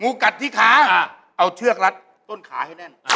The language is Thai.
กัดที่ขาเอาเชือกรัดต้นขาให้แน่น